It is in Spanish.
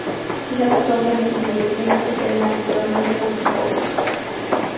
Está situado en las inmediaciones de Hernani, provincia de Guipúzcoa.